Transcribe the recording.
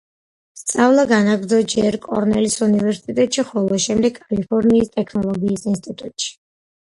სწავლა განაგრძო ჯერ კორნელის უნივერსიტეტში ხოლო შემდეგ კალიფორნიის ტექნოლოგიის ინსტიტუტში.